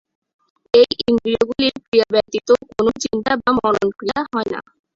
এই ইন্দ্রিয়গুলির ক্রিয়া ব্যতীত কোন চিন্তা বা মনন-ক্রিয়া হয় না।